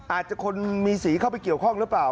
อาจจะคนมีสีเข้าไปเกี่ยวข้องหรือเปล่า